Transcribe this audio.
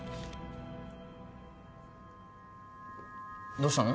どうしたの？